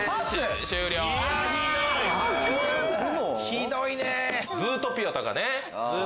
ひどいね！